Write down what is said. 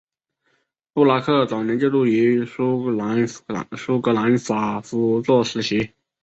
布拉克早年就读于苏格兰法夫作实习。